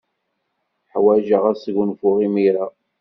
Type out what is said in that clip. Ḥwajeɣ ad sgunfuɣ imir-a.